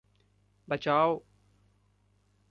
बचाओ!